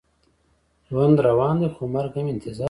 ژوند روان دی، خو مرګ هم انتظار کوي.